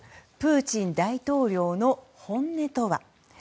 プーチン大統領の本音とは？